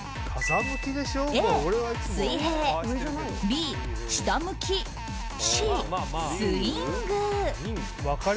Ａ、水平Ｂ、下向きＣ、スイング。